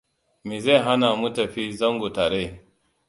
Me zai hana mu tafi zango tare?